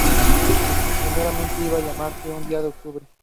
Primeramente iba a llamarse "Un día de octubre".